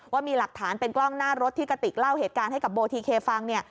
ว่ามีหลักฐานเป็นกล้องหน้ารถที่กระติกเล่าเหตุการณ์ให้กับโบทีเคฟังเนี่ย